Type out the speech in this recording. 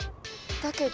だけど。